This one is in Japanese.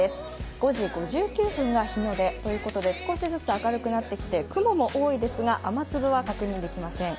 ５時５９分が日の出ということで、少しずつ明るくなってきて、雲も多いですが、雨粒は確認できません。